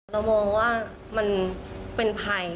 เรามองว่ามันเป็นภัย